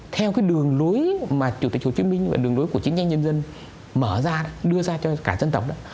theo đường lối mà chủ tịch hồ chí minh và đường lối của chiến tranh nhân dân mở ra đưa ra cho cả dân tộc